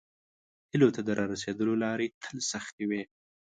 هیلو ته د راسیدلو لارې تل سختې وي.